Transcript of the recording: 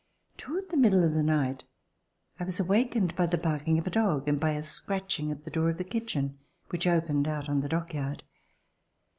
Towards the middle of the night I was awakened by the barking of a dog and by a scratching at the door of the kitchen which opened out on the dock yard.